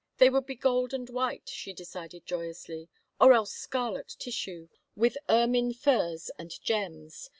... They would be gold and white, she decided joyously — or else scarlet tissue ... with ermine fur and gems.